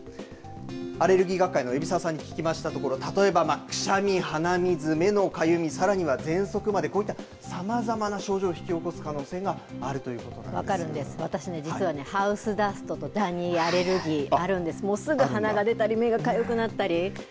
アレルギー学会の海老澤さんに聞きましたところ例えばくしゃみ、鼻水目のかゆみ、さらにはぜんそくまで、こういったさまざまな症状を引き起こす可能性が分かるんです、私実はハウスダストとダニアレルギーあるんです。